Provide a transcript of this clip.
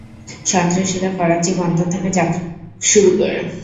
সন্ত্রাসীরা করাচি বন্দর থেকে যাত্রা শুরু করে।